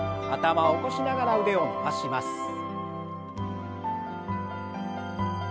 頭を起こしながら腕を伸ばします。